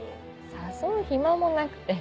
誘う暇もなくて。